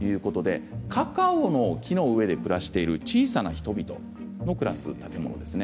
カカオの木の上で暮らしている小さな人々の暮らす建物です。